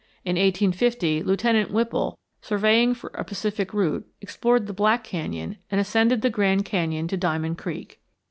In 1850 Lieutenant Whipple, surveying for a Pacific route, explored the Black Canyon and ascended the Grand Canyon to Diamond Creek.